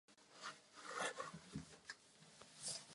Za protektorátu hřiště sloužilo jako polní lazaret.